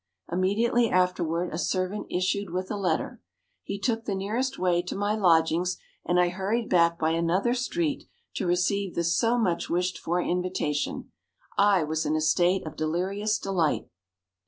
Immediately afterward a servant issued with a letter; he took the nearest way to my lodgings, and I hurried back by another street to receive the so much wished for invitation. I was in a state of delirious delight.